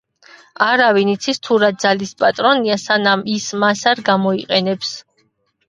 „არავინ იცის თუ რა ძალის პატრონია, სანამ ის მას არ გამოიყენებს.”